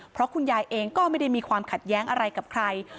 เพราะคุณยายเองก็ไม่ได้มีความขัดแย้งอะไรกับใคร